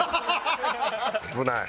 危ない。